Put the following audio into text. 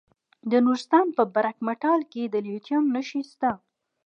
د نورستان په برګ مټال کې د لیتیم نښې شته.